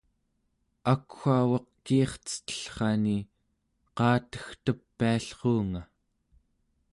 akwaugaq kiircetellrani qaategtepiallruunga